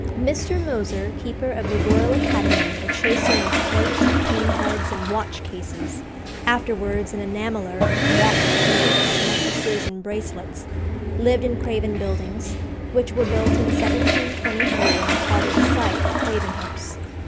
Mr. Moser, keeper of the Royal Academy, a chaser of plate, cane heads, and watch cases, afterwards an enameller of watch trinkets, necklaces, and bracelets, lived in Craven Buildings, which were built in 1723 on part of the site of Craven House.